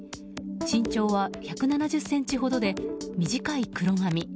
身長は１７０ｃｍほどで短い黒髪。